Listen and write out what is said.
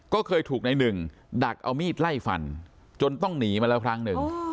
ก็เคยถูกในหนึ่งดักเอามีดไล่ฟันจนต้องหนีมาแล้วครั้งหนึ่ง